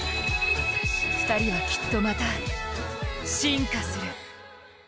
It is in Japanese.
２人はきっとまた進化する。